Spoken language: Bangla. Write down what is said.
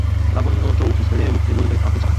লাবণ্য চৌকি ছেড়ে উঠে বললে কাকে চান আপনারা।